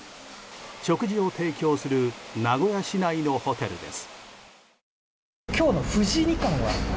食事を提供する名古屋市内のホテルです。